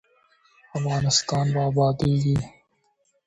افغانستان به ابادیږي؟